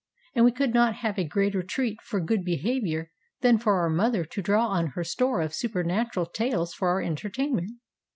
and we could not have a greater treat for good behavior than for our mother to draw on her store of supernatural tales for our entertainment.